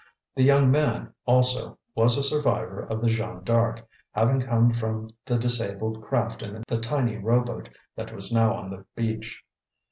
The young man, also, was a survivor of the Jeanne D'Arc, having come from the disabled craft in the tiny rowboat that was now on the beach.